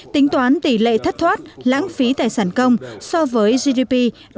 tính toán tỷ lệ thất thoát lãng phí tài sản công so với gdp